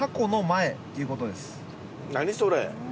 何それ。